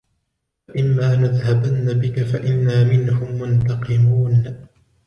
فَإِمَّا نَذْهَبَنَّ بِكَ فَإِنَّا مِنْهُمْ مُنْتَقِمُونَ